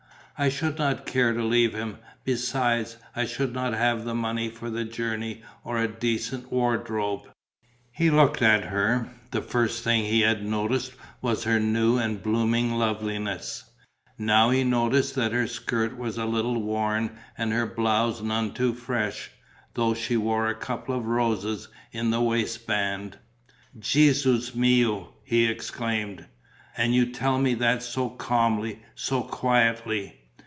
I should not care to leave him; besides, I should not have the money for the journey or a decent wardrobe." He looked at her. The first thing that he had noticed was her new and blooming loveliness; now he noticed that her skirt was a little worn and her blouse none too fresh, though she wore a couple of roses in the waist band. "Gesu mio!" he exclaimed. "And you tell me that so calmly, so quietly!"